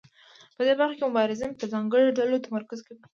په دې برخه کې مبارزین پر ځانګړو ډلو تمرکز کوي.